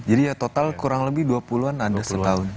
jadi ya total kurang lebih dua puluh an ada setahun